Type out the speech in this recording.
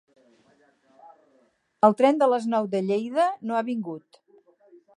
El tren de les nou de Lleida no ha vingut.